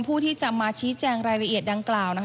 ผู้ที่จะมาชี้แจงรายละเอียดดังกล่าว